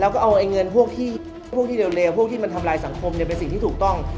แล้วก็เอาเงินพวกที่เร็วพวกที่มันทำลายสังคมเป็นสิ่งที่ถูกต้อง